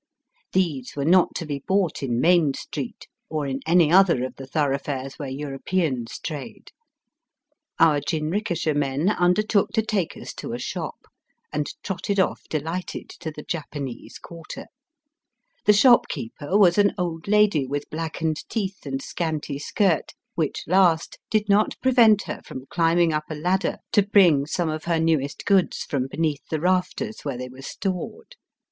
These were not to be bought in Main Street, or in any other of the thoroughfares where Europeans trade. Our jinrikisha men undertook to take us to a Digitized by VjOOQIC FfiTE DAT AT ASAKUSA. 217 shop, and trotted off deKghted to the Japanese quarter. The shop keeper was an old lady with blackened teeth and scanty skirt, which last did not prevent her from climbing up a ladder to bring some of her newest goods from beneath the rafters where they were stored.